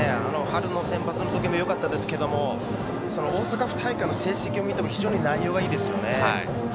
春のセンバツの時もよかったですけども大阪府大会の成績を見ても非常に内容がいいですね。